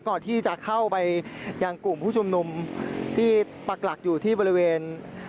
ก่อนที่จะเข้าไปยังกลุ่มผู้ชุมนุมที่ปรักหลักอยู่ที่บริเวณ